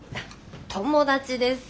友達です。